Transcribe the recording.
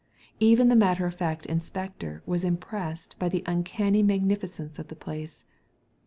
Even the matter of fact inspector was impressed by the uncanny magnificence of the place.